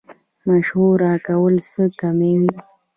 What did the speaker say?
مشوره کول څه کموي؟